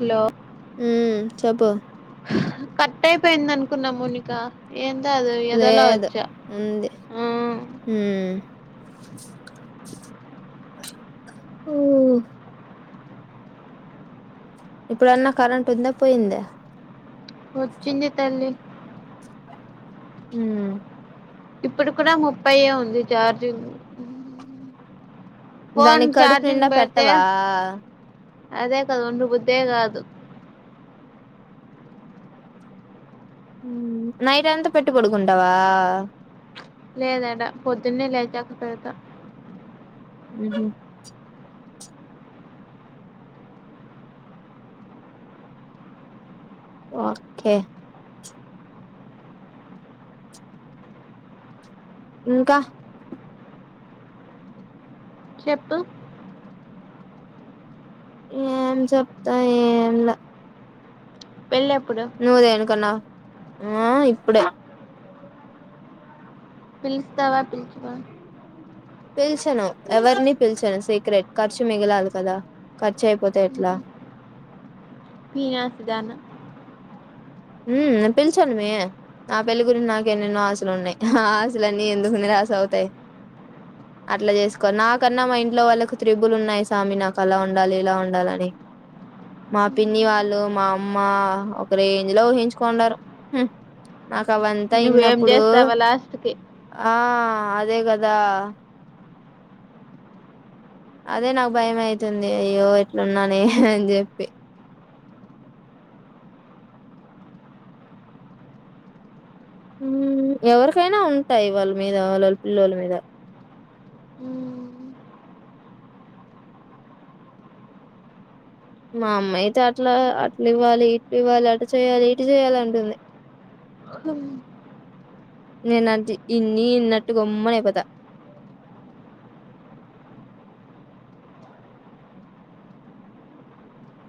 Hello ఊ చెపు cut అయిపోయింది అనుకున్నా మోనిక ఏన్ లేదు ఉంది ఆ హూ ఓ ఇప్పుడన్న కరెంట్ ఉందా పోయింద వచ్చిందిత అల్లి హూ ఇప్పుడు కూడా ముప్పైయ్యే ఉంది చార్జింగ్ ఫోన్ దానికి కడుపు నిండా చార్జింగ్ బెడితే పెట్టవా అదే కాదు ఉండ బుద్ధే గాదు నైట్ అంత పెట్టు పడుకుంటవా లేదేడ పొద్దున్నే లేచాక పెడతా ఉహు ఓకే ఇంకా చెప్పు ఏం చెప్తా ఏంలే పెళ్ళెప్పుడు నువ్ దేనికన్నావ్ ఆ ఇప్పుడే పిలిస్తావా పిలుచుకో పిల్చను ఎవర్ని పిల్చను సీక్రెట్ ఖర్చు మిగిలాలి కదా క పీనాసిదానా ఊమ్ నేనె పిలిచాను మే నా పెళ్లి గురించి నాకు ఎన్నెన్నో ఆశలు ఉన్నయ్, ఆ ఆశలన్నీ ఎందుకు నిరాశ అవుతాయ్. అట్లా చేసుకోనచ నాకన్నా మా ఇంట్లో వాళ్ళకు త్రిబుల్ ఉన్నాయ్ సామి, నాకు అలా ఉండాలి ఇలా ఉండాలని. మా పిన్ని వాళ్ళు మా అమ్మ ఒకరే జిలో ఊహించుకుండారు హు నాకు అవంతా నువ్వేం ఇన్నప్పుడూ చేస్తావా లాస్ట్ కి ఆ అదే గదా అదే నాక్ భయం అయితుంది అయ్యో ఎట్లున్నానే అని చెప్పి ఊమ్ ఎవరికైనా ఉంటాయ్ వాళ్ళ మీద వాళ్ళళ్ పిల్లోల్ మీద మా అమ్మాయితే అట్లా అట్లివ్వాలి ఇట్లివ్వాలి అటు చెయ్యాలి ఇటు చేయ్యాలి అంటుంది నేనడ్డి ఇన్నీ ఇన్నట్టు గమ్మునైపోత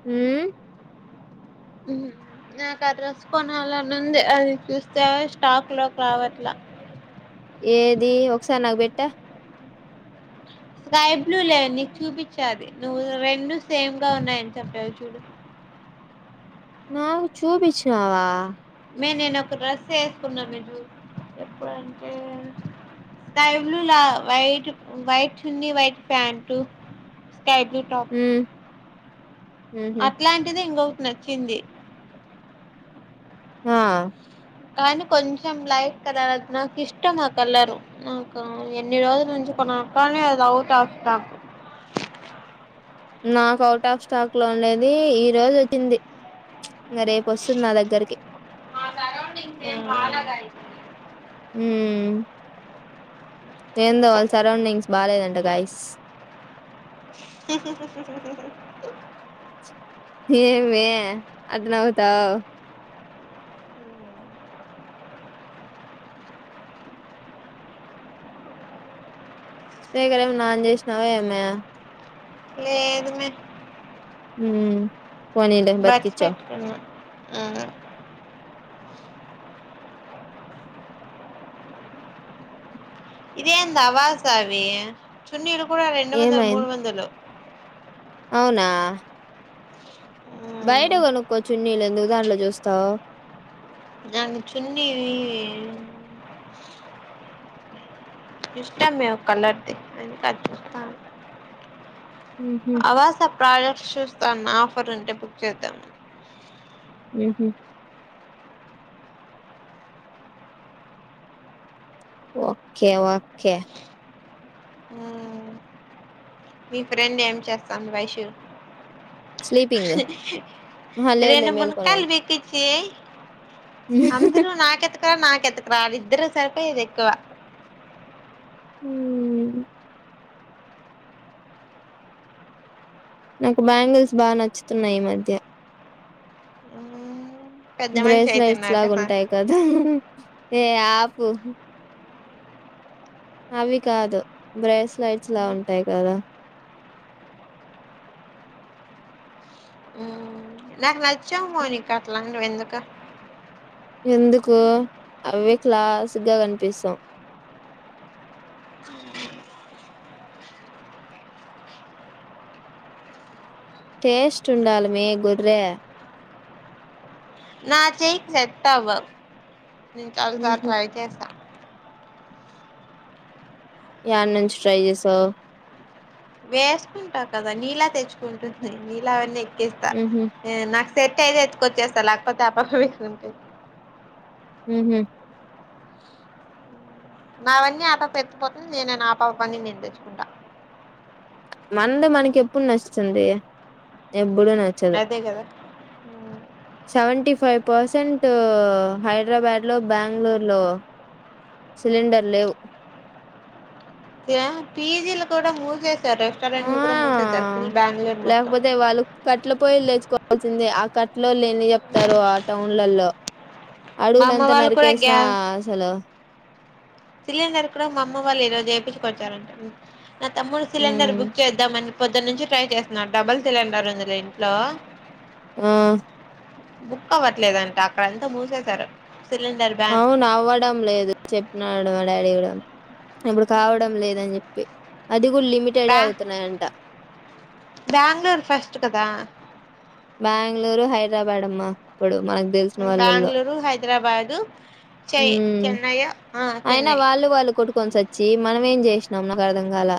ఊ నాకు ఆ డ్రెస్ కొనాలనుంది అది చూస్తే స్టాక్ లో రావట్లా ఏదీ ఒకసారి నాకు బెట్ట స్కై బ్లూ లే నీకు చూపిచ్చా అది నువ్వు రెండు సేమ్ గా ఉన్నాయని చెప్పావ్ చూడు నాగు చూపిచ్చావా మే నేను ఒక డ్రెస్ వేసుకున్నాను మీ ఎప్పుడంటే స్కై బ్లూ వయిట్ వయిట్ చున్ని white Pat sky blue top హ్మ్ ఊహూ అట్లాంటిది ఇంకోటి నచ్చింది ఆ కానీ కొంచెం లైట్ కలర్ అది నాకు ఇష్టం ఆ కలర్ నాకు ఎన్ని రోజుల నుంచి కొనాలి కానీ అది ఔట్ ఆఫ్ స్టాక్ నాకు అవుట్ ఆఫ్ స్టాక్ లో ఉండది ఈ రోజు వచ్చింది ఇంకా రేపు వస్తుంది నా దగ్గరకి ఉమ్ ఉమ్ ఏందో వాళ్ళ సరౌండింగ్స్ బాగాలేదంట గైస్ ఏం మే ఆటా నవ్వుతావ్ స్పీకర్ ఏం అన ఆన్ చేసినావా ఏమే లేదు మే పోనీలే బతికిచావ్ ఉమ్ ఇదేంది ఆవసవే చున్నీలు కూడా రెండు వందలు ఏమైంది మూడు వందలు అవునా బయట కొనుక్కోచున్నీలు ఎందుకు దాంట్లో చూస్తావు నాకు చున్ని ఇష్టం మే ఒక కలర్ది అందుకే చూస్తానా ఊహూ ఆవాస ప్రోడక్ట్స్ చూస్తాన్న ఆఫర్ అంటే బుక్ చేద్దాం అని ఉహ ఓకే ఓకే మీ ఫ్రెండ్ ఏం చేస్తుంది వైషు స్లీపింగ్ ఆహా లేదులే రెండు మేలుకునే మునక్కాయలు పిలిచి అందరు నాకత్ నాకు ఎతుకు రా ఇద్దరు సరిపోయారు ఎక్కువ హ నాకు బ్యాంగిల్స్ బాగా నచ్చుతున్నాయి ఈ మధ్య పెద్ద మనిషి బ్రేస్లెట్స్ అయితున్నారు లాగా కదా ఉంటాయి కదా ఏ ఆపు అవి కాదు బ్రేస్లైట్స్ లా ఉంటాయి కదా నాకు నచ్చవు మౌనిక అట్లాటివి ఎందుకో ఎందుకు అవే క్లాగ్గా కనిపిస్తాం టేస్ట్ ఉండాలమే గొర్రీ నా చేయికి సెట్ అవ్వవు నేను చాలా సార్లు ఉహు ట్రై చేశా యని నుంచి ట్రై చేసావు వేసుకుంటా కదా నీళ్ళ తెచ్చుకుంటుంది నీళ్ళ అవన్నీ ఎక్కేస్తా ఉహు నా సెట్ అయితే ఎతుకొచ్చేస్తా లేకపోతే ఆపప మీంటా ఉహు నావన్నీ ఆ పాప ఎత్తుకుపోతుంది ఆ పాపవి అన్ని నేను తెచ్చుకుంట మంది మనకి ఎప్పుడు నచ్చంది ఎప్పుడు నచ్చదు హ సెవెంటీ ఫైవ్ పర్సెంట్ హైదరాబాద్లో బెంగళూర్లో సిలిండర్ లేవు యా పీజీలు కూడా మూసేస్తూ సార్ ఆ రెస్టోరెంట్లు కూడా మూసేసారు ఫుల్ బెంగుళూరు మొత్తం లేకపోతే వాళ్ళు కట్ల పొయలు తెచుకోవాల్సిందే ఆ కట్లో లేన్ని చెప్తారు ఆ టౌన్లలో మా అడవులు అమ్మ అంత వాళ్ళు కూడా నరికేసిన గ్యాస్ అసలు సిలిండర్ కూడా మా అమ్మ వాళ్ళు ఈ రోజు ఎపిచ్చుకొచ్చారంట నా తమ్ముడు సిలిండర్ ఉమ్ బుక్ చేద్దామని పొద్దున్న నుంచి ట్రై చేస్తున్నారు డబుల్ సిలిండర్ ఉంది లే ఇంట్లో ఆ బుక్ అవ్వట్లేదంట అక్కడంతా మూసేశారు సిలిండర్ బ్యాన్ అవునవ్వడం లేదు చెప్పిన అనడు మా డాడీ కూడా ఇప్పుడు కావడం లేదని చెప్పి అది కూడా లిమిటెడే బ్యా అవుతున్నాయంట బెంగళూరు ఫస్ట్ కదా బెంగళూరు హైదరాబాద్ అమ్మా ఇప్పుడు మనకు తెలిసిన వాళ్ళల్లో బ్యాంగ్లూరు హైదరాబాదు చెై చెన్నై ఓ ఆ చెన్నై వాలు వాలు కొట్టుకొని చచ్చి మనమేం చేసినాం నాకు అర్ధం కాల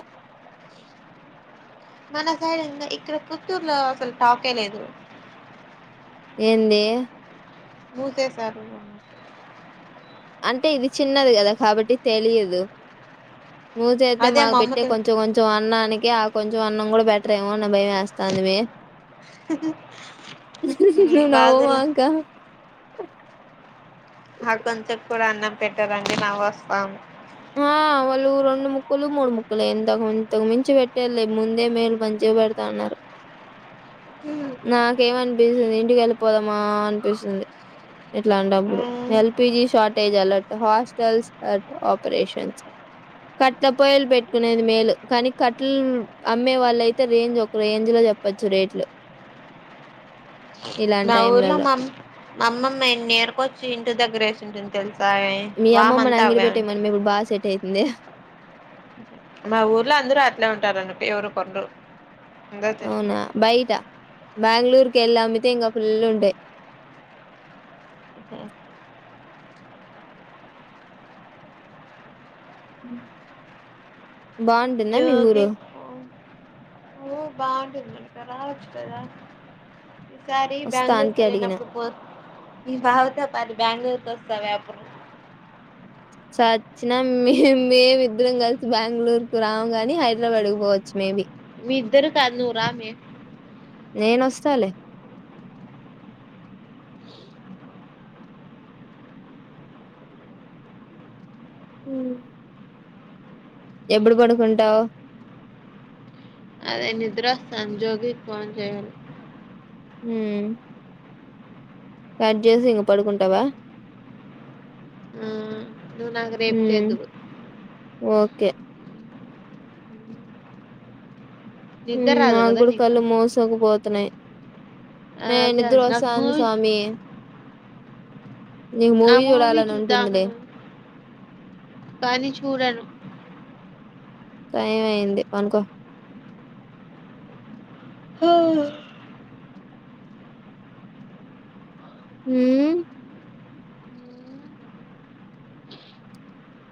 మన సైడ్ ఇంగ ఇక్కడ కుత్తూరులో అసలు టాకే లేదు ఏంది మూసేసారు అంటే ఇది చిన్నది కదా కాబట్టి తెలియదు మూచేతే అదే మాకు మా అమ్మ పెట్టే తి కొంచెం కొంచెం అన్నానికి ఆ కొంచెం అన్నం కూడా బెటర్ ఏమో అని భయమేస్తందమి నువ్వు వాదులు నవ్వమాకా ఆ కొంచెం కూడా అన్నం పెట్టరంటే నవ్వోస్తాంది ఆ మా వోళ్ళు రెండు ముక్కలు మూడు ముక్కలు ఇంతకు ఇంతకు మించి పెట్టేలే ముందే మేలు మంచిగా పెడతాన్నారు నాకేమనిపిస్తది ఇంటికి వెళ్ళిపోదామా అనిపిస్తుంది ఇట్లాటపుడు మ్మ్ LPG shortage alert hostels at ఆప్ ప్రేషన్స్ కట్ల పొయలు పెట్టుకునేది మేలు కానీ కట్లు అమ్మే వాళ్ళ అయితే రేంజ్ ఒక రేంజ్ల చెప్పచ్చు రేట్లు ఇలాంటి నా ఊర్లో టైంలలో మా అమ్ మా అమ్మమ్మ ఎన్ని ఏరుకొచ్చి ఇంటి దగ్గర వేసింటుంది తెలుస మీ అమ్మమ్మని అంగిడి పెట్టే మను ఇప్పుడు బాగా సెట్ అయితంది మా ఊర్లో అందరూ అట్లే ఉంటారు అన్నట్టు ఎవరు కొండ్రు అవునా బైట బెంగళూరుకి ఎల్ అమ్మితే ఇంకా పుల్లు ఉంటయ్ ఊహు బాగుంటుందా మీ ఊరు ఊ బాగుంటుది నువ్వు ఇక్క రావచ్చు కదా ఈసారి వస్తా బెంగళూరు అందుకే అడిగిన కెళ్ళినప్పుడు పోత్ ఈ బావతో పాటు బెంగళూరు కో గవి అపుడు వచ్చిన మేం మేమిద్దరం కలిసి బెంగళూరు కు రాము కాని హైదరాబాద్కి పోవచ్చు మేబి మీ ఇద్దరు కర్నూరామీ నేన్ వస్తాలే ఊ ఎప్పుడు పడుకుంటావ్ అదే నిద్రవస్తంది జోగికి ఫోన్ చేయాలి ఊ కట్ చేసి ఇంక పడుకుంటావా ఆ నువ్వు నాకు రేపు ఉమ్ చేదువు ఓకే ఊ నిద్ర రాదు కదా నాకూడా నీకు కళ్ళు మూసుకపోతున్నాయి ఆ, మే అదే నాకు నిద్రోస్తాంది మూవీ సామి ఆ మూవి చూడాలని ఉంటుందిలే చూద్దామను కానీ చూడను టైమ్ అయింది అనుకో ఆహ్ మ్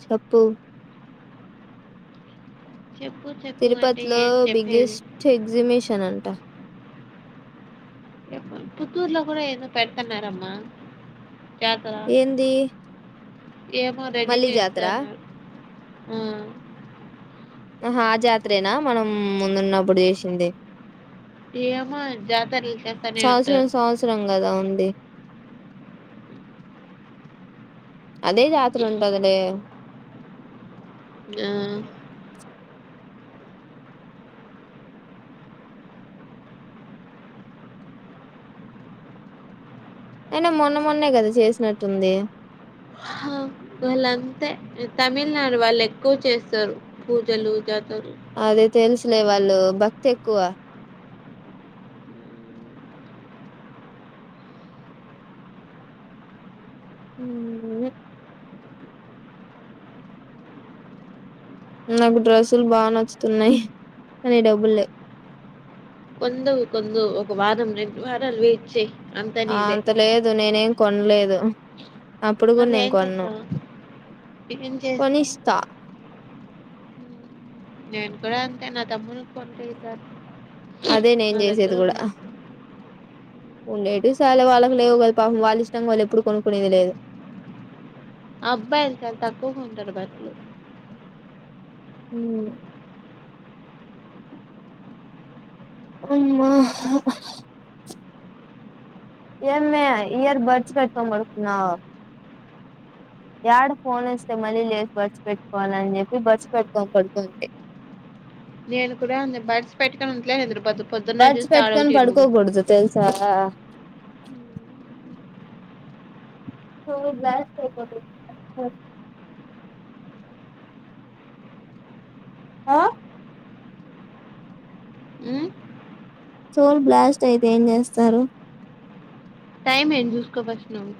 చప్పు చెప్పు చెప్పు అంటే తిరుపతిలో ఏం చెప్పేది బిగ్గెస్ట్ ఎగ్జిమిషన్ అంటా ఎ పుత్తూర్ లో కూడా ఎదో పెడతఅన్నార్ అమ్మా ఏంది ఏమో రెడీ మళ్ళీ జాతర చేస్తాను ఆ ఆహా ఆ జాత్రేనా మనం ముందు ఉన్న అప్పుడు చేసింది ఏమో జాతరలు చేస్తనే ఉంటారు. సంవత్సరంమ్ సంవత్సరంమ్ కదా ఉంది దే అదే జాత్ర ఉంట అది లే ఆ అయినా మొన్న మొన్నే కదా చేసినట్టు ఉంది వాళ్ అంతే తమిళనాడు వాళ్ళు ఎక్కువ చేస్తారు పూజలు జ అదే తెలుసులే వాళ్ళు భక్తి ఎక్కువ ఉమ్ నాకు డ్రస్సులు బాగా నచ్చుతుఉన్నాయి కానీ డబ్బుల్ లేవు కొందు కొందు ఒక వారం రెండు వారాలు వేయి ట్ చేయి ఆ అంత లేదు నేనేమ్ కొన్ లేదు అప్పుడు కూడా మళ్ళీ నేను ఏం కొన్ న్నూ చేస్తావు? ఏం చేస్తా? కొనిస్తా నేన్ కూడా అంతే నా తమ్మును కొన్ పిత్తారు అదే నేన్ చేసేది కూడా హ ఉండేటి సాలే వాళ్ళకి లేవు కదా పాపం వాళ్ళు ఇష్టం వాళ్ళు ఎప్పుడు కొనుక్కునే ది లేదు అబ్బాయిల్ చాలా తక్కువుగా ఉంటారు బస్లో ఉమ్ అమ్మా హ హ ఏంద్ మే ఇయర్ బర్డ్స్ పెట్కోమంటు ఉన్నావ్ యాడ ఫోన్ వస్తే మళ్ళీ లేచ్ వచ్ పెట్టుకోవాల అని చెప్పి బస్సు పెట్టుకో పడ్ తుఉంది నేన్ కూడా అందే బట్స్ పెట్టుకుంఉట్లే ఎంది పొద్దు పొద్దున్నే బడ్స్ చూస్తే ఆడ్ పెట్టుకొని అవుతాయి. రెండు ముగురు పెట్ పడుకోకూడదు తెలుసా ఓ గ్లాస్ ఎ [unintelligible] ఆ హ్మ్. సోల్ బ్లాస్ట్ అయితే ఏమ్ చేస్తారు టైమ్ అయింది చూసుకో ఫస్ట్ నువ్వు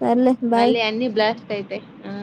సర్లే బాయ్ మళ్ళీ అన్ని బ్లాస్ట్ స్ట్ అయితే ఆ